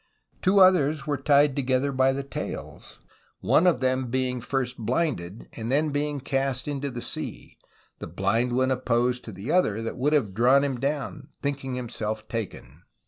Two others were ty'd together by the tails, one of them being first blinded, and then being cast into the sea, the blind one oppos'd the other that would have drawn him down, thinking himself taken.